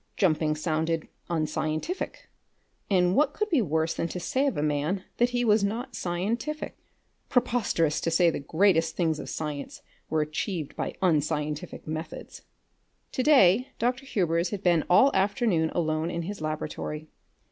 Jumping sounded unscientific, and what could be worse than to say of a man that he was not scientific? Preposterous to say the greatest things of science were achieved by unscientific methods! To day Dr. Hubers had been all afternoon alone in his laboratory.